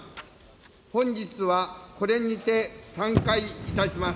本日はこれにて散会いたします。